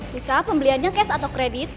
misal pembeliannya cash atau kredit